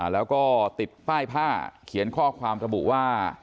แล้วก็ติดป้ายผ้าเขียนข้อความระบุว่า